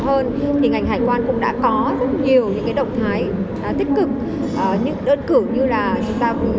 hơn thì ngành hải quan cũng đã có rất nhiều những động thái tích cực những đơn cử như là chúng ta